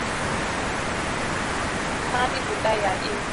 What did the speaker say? ma bipụta ya ebipụta